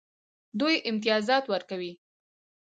دوی امتیازات ورکوي.